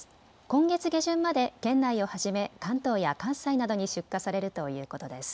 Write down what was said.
今月下旬まで県内をはじめ関東や関西などに出荷されるということです。